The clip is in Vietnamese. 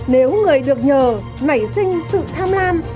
nếu người được nhờ nảy sinh sự tham lan